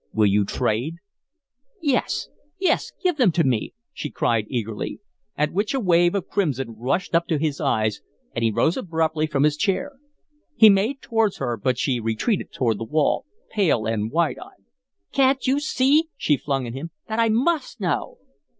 Will you trade?" "Yes, yes! Give them to me," she cried, eagerly, at which a wave of crimson rushed up to his eyes and he rose abruptly from his chair. He made towards her, but she retreated to the wall, pale and wide eyed. "Can't you see," she flung at him, "that I MUST know?"